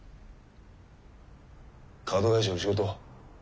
カード会社の仕事。